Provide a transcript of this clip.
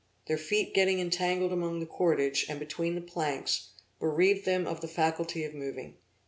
Their feet getting entangled among the cordage, and between the planks, bereaved them of the faculty of moving.